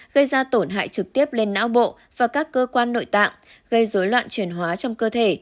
gây ra tổn hại trực tiếp lên não bộ và các cơ quan nội tạng gây dối loạn chuyển hóa trong cơ thể